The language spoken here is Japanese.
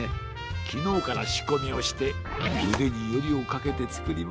きのうからしこみをしてうでによりをかけてつくりました。